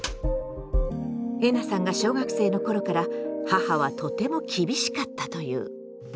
えなさんが小学生の頃から母はとても厳しかったという。